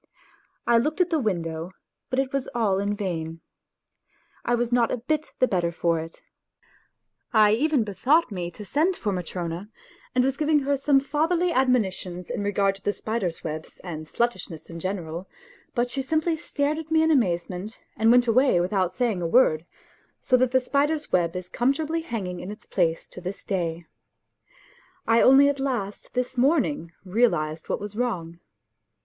I looked at the win dow, but it was all in vain ... I was not a bit the better for it ! I even bethought me to send for Matrona, and was giving her some fatherly admonitions in regard to the spider's web and sluttishness in general; but she simply stared at me in amaze ment and went away without saying a word, so that the spider's web is comfortably hanging in its place to this day. I only at last this morning realized what was wrong.